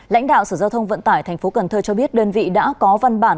lãnh đạo sở giao thông vận tải tp hcm cho biết đơn vị đã có văn bản